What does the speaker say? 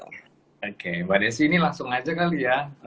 oke mbak desi ini langsung aja kali ya